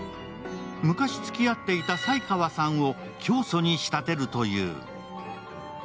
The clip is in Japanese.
昔つきあっていた斉川さんを教祖に仕立てるという。